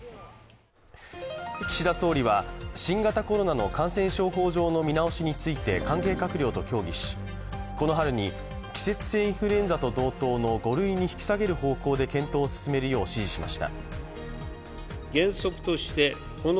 岸田総理は、新型コロナの感染症法上の見直しについて関係閣僚と協議し、この春に季節性インフルエンザと同等の５類に引き下げる方向で検討を進めるよう指示しました。